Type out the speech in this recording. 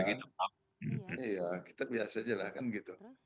iya kita biasa aja lah kan gitu